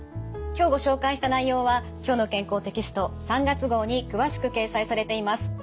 今日ご紹介した内容は「きょうの健康」テキスト３月号に詳しく掲載されています。